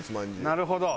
なるほど！